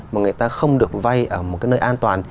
mà người ta không được vay ở một cái nơi an toàn